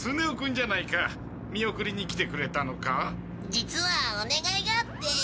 実はお願いがあって。